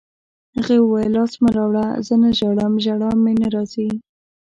هغې وویل: لاس مه راوړه، زه نه ژاړم، ژړا مې نه راځي.